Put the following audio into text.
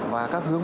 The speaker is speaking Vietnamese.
và các hướng